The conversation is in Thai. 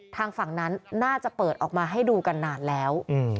ทางฝั่งนั้นน่าจะเปิดออกมาให้ดูกันนานแล้ว